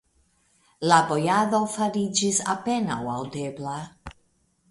La bojado fariĝis apenaŭ aŭdebla.